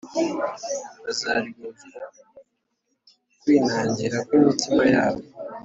Bazaryozwa kwinangira kw’imitima yabo